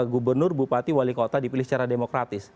gubernur bupati wali kota dipilih secara demokratis